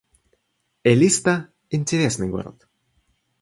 Элиста — интересный город